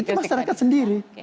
itu masyarakat sendiri